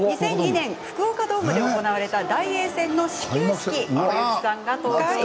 ２００２年、福岡ドームで行われたダイエー戦の始球式に小雪さんが登場。